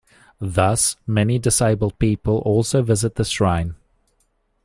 Thus many disabled people also visit the shrine.